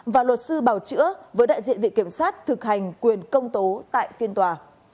và luật sư bào chữa với đại diện viện kiểm sát thực hành quyền công tố tại phiên tòa